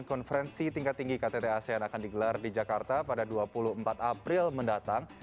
konferensi tingkat tinggi ktt asean akan digelar di jakarta pada dua puluh empat april mendatang